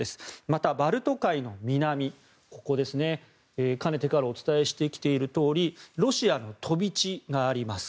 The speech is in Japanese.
また、バルト海の南かねてからお伝えしてきているとおりロシアの飛び地があります。